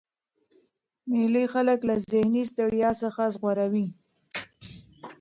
مېلې خلک له ذهني ستړیا څخه ژغوري.